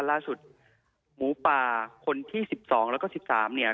ล่าสุดหมูปลาคนที่๑๒และก็๑๓เนี่ย